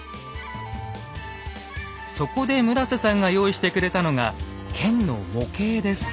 そこで村さんが用意してくれたのが剣の模型です。